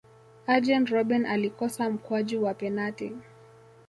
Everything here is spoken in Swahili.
arjen robben alikosa mkwaju wa penati